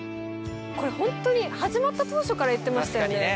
これホントに始まった当初から言ってましたよね。